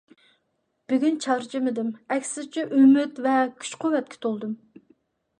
بۈگۈن چارچىمىدىم. ئەكسىچە ئۈمىد ۋە كۈچ-قۇۋۋەتكە تولدۇم.